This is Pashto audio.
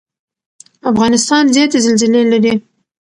افغانستان زیاتې زلزلې لري.